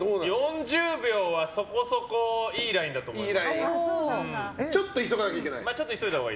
４０秒は、そこそこいいラインだと思います。